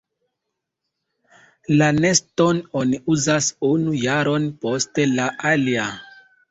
La neston oni uzas unu jaron post la alia.